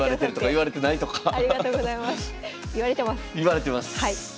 言われてます！